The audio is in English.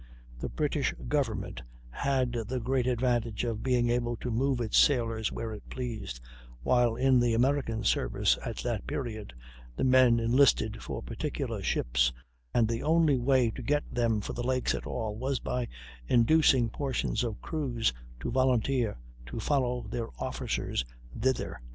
The British government had the great advantage of being able to move its sailors where it pleased, while in the American service, at that period, the men enlisted for particular ships, and the only way to get them for the lakes at all was by inducing portions of crews to volunteer to follow their officers thither.